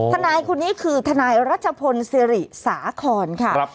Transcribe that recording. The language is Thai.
ทนายคนนี้คือทนายรัชพลศิริสาคอนค่ะ